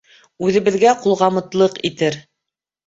Үҙебеҙгә ҡулғамытлыҡ итер.